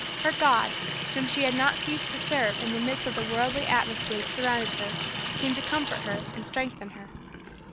Her God, whom she had not ceased to serve in the midst of the worldly atmosphere that surrounded her, seemed to come to comfort and strengthen her.